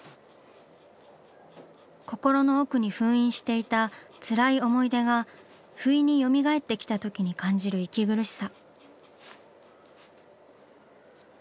心の奥に封印していたつらい思い出が不意によみがえってきたときに感じる息苦しさ。